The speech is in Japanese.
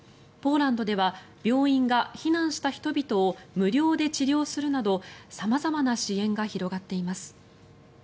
ポーランドでは病院が避難した人々を無料で治療するなど様々な支援が広がっています。